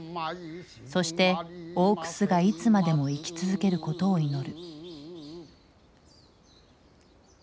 そして大楠がいつまでも生き続けることを祈る。